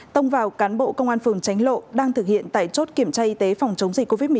tông vào cán bộ công an phường tránh lộ đang thực hiện tại chốt kiểm tra y tế phòng chống dịch covid một mươi chín